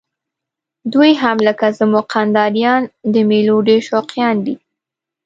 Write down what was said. دوی هم لکه زموږ کندهاریان د میلو ډېر شوقیان دي.